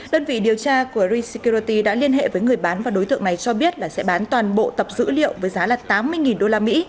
đơn vị điều tra của resecurity đã liên hệ với người bán và đối tượng này cho biết là sẽ bán toàn bộ tập dữ liệu với giá là tám mươi usd